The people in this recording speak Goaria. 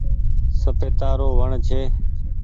سپيتا رو وڻ ڇي۔